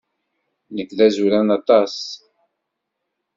Nekk d azuran aṭas.